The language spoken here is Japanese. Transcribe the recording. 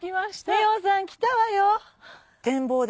美穂さん来たわよ。